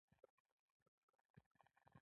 د ازادۍ غږ تلپاتې دی